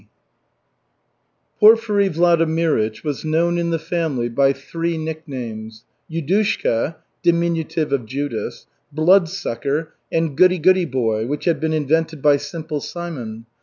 Porfiry Vladimirych was known in the family by three nicknames, Yudushka (diminutive of Judas), Bloodsucker, and Goody goody Boy, which had been invented by Simple Simon.